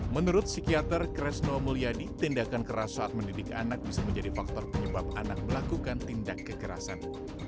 menurut psikiater kresno mulyadi tindakan keras saat mendidik anak bisa menjadi faktor penyebab anak melakukan tindak kekerasan